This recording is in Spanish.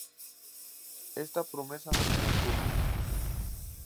Esta promesa no se mantuvo.